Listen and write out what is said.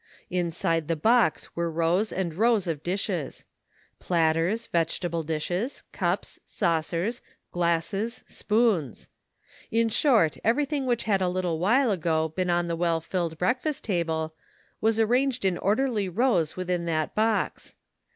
Inside the box were rows and rows of dishes : platters, vegetable dishes, cups, saucers, glasses, spoons ; in short, everything which had a little while ago been on the well filled breakfast table was arranged in orderly rows within that box.